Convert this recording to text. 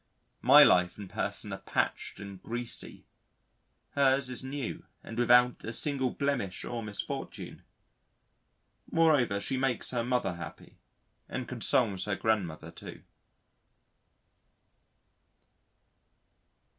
My life and person are patched and greasy; hers is new and without a single blemish or misfortune.... Moreover, she makes her mother happy and consoles her grandmother too.